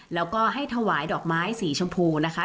แล้วก็ให้ถวายดอกไม้สีชมพูนะคะ